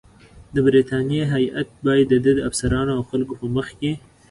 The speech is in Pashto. د برټانیې هیات باید د ده د افسرانو او خلکو په مخ کې.